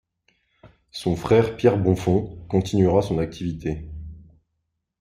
Son frère Pierre Bonfons continuera son activité.